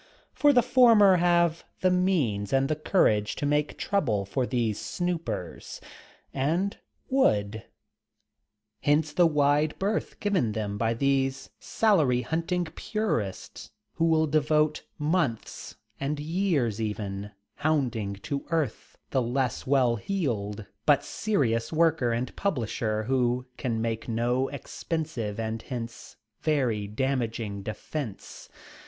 For the former have the means and the courage to make trouble for these snoopers. And would. Hence the wide berth given them by these same salary hunting purists who will devote months and years even hounding to earth the less "well heeled" but serious worker and publisher who can make no expensive and hence very damaging defense.